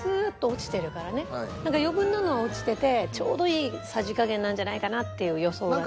だから余分なのは落ちててちょうどいいさじ加減なんじゃないかなっていう予想はね。